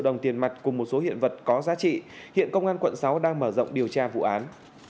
đồng tiền mặt cùng một số hiện vật có giá trị hiện công an quận sáu đang mở rộng điều tra vụ án